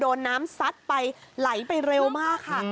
โดนน้ำซัดไปไหลไปเร็วมากค่ะ